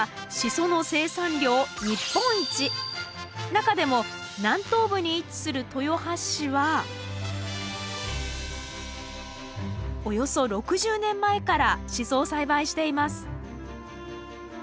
中でも南東部に位置する豊橋市はおよそ６０年前からシソを栽培しています。